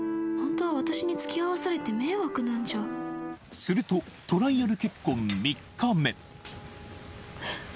ホントは私につきあわされて迷惑なんじゃするとトライアル結婚３日目えっ？